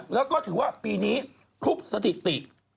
แล้วก็ถือว่าปีนี้ครบสถิติ